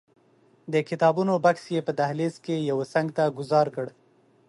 د کتابونو بکس یې په دهلیز کې یوه څنګ ته ګوزار کړ.